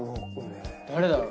誰だろう？